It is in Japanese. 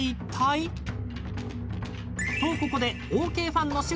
［とここで］